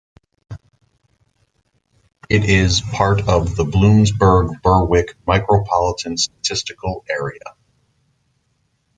It is part of the Bloomsburg-Berwick Micropolitan Statistical Area.